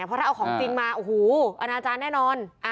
เพราะถ้าเอาของจริงมาโอ้โหอนาจารย์แน่นอน